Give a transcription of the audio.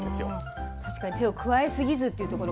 確かに手を加えすぎずっていうところが。